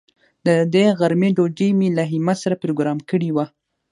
د دې غرمې ډوډۍ مې له همت سره پروگرام کړې وه.